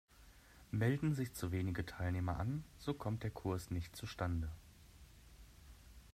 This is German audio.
Melden sich zu wenige Teilnehmer an, so kommt der Kurs nicht zustande.